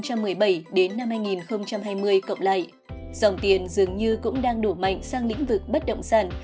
cộng lại dòng tiền dường như cũng đang đổ mạnh sang lĩnh vực bất động sản